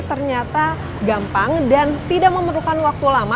ternyata gampang dan tidak memerlukan waktu lama